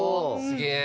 すげえ！